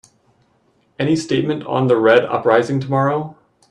Any statement on the Red uprising tomorrow?